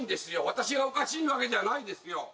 私がおかしいわけじゃないですよ